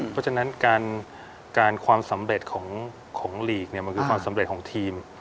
เพราะฉะนั้นการความสำเร็จของลีกมันคือความสำเร็จของทีม